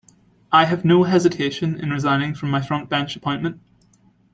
I have no hesitation in resigning my front-bench appointment.